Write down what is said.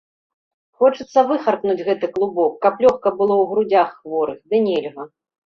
Хочацца выхаркнуць гэты клубок, каб лёгка было ў грудзях хворых, ды нельга.